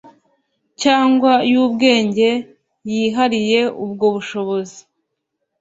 cyangwa y ubwenge yihariye ubwo bushobozi